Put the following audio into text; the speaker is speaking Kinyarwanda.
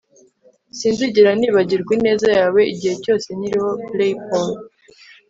Sinzigera nibagirwa ineza yawe igihe cyose nkiriho blaypaul